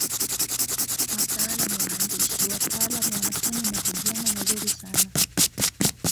wataalamu waandishi wataalam wanafanya mahojihano mazuri sana